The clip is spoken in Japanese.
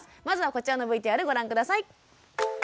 まずはこちらのＶＴＲご覧下さい。